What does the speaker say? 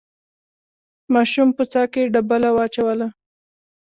ماشوم په څاه کې ډبله واچوله.